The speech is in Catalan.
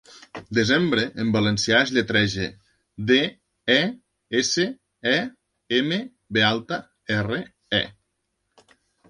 'Desembre', en valencià es lletreja: de, e, esse, e, eme, be alta, erre, e.